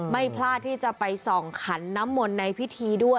ไม่พลาดที่จะไปส่องขันน้ำมนต์ในพิธีด้วย